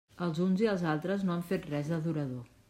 Els uns i els altres no han fet res de durador.